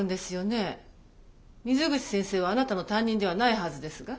水口先生はあなたの担任ではないはずですが？